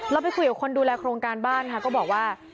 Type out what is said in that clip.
ไปคุยกับคนดูแลโครงการบ้านค่ะก็บอกว่า